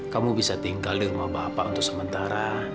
kamu bisa tinggal di rumah bapak untuk sementara